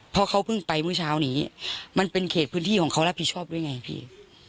เพราะเขาเพิ่งไปเมื่อเช้านี้มันเป็นเขตพื้นที่ของเขารับผิดชอบด้วยไงพี่